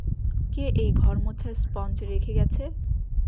কে এই ঘর মোছা স্পঞ্জ রেখে গেছে?